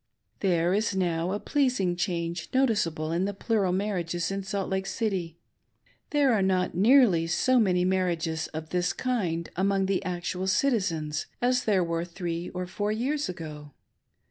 There is now a pleasing change noticeable in the plural marriages in Salt Lake City. There are not nearly so many marriages of this kind among the actual citizens as there were three or four years ago.